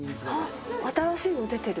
新しいの出てる。